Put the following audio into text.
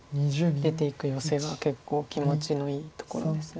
出ていくヨセが結構気持ちのいいところです。